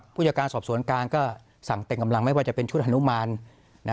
ผู้จัดการสอบสวนกลางก็สั่งเต็มกำลังไม่ว่าจะเป็นชุดฮนุมาน